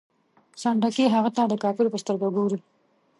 سنډکي هغه ته د کافر په سترګه ګوري.